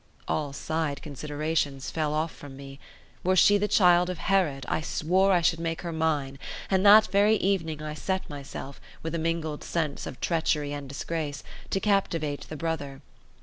All side considerations fell off from me; were she the child of Herod I swore I should make her mine; and that very evening I set myself, with a mingled sense of treachery and disgrace, to captivate the brother.